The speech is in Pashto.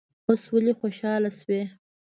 اوس ولې خوشاله شوې.